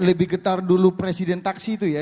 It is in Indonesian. lebih getar dulu presiden taksi itu ya